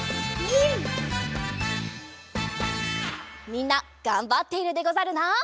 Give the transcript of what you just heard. みんながんばっているでござるな。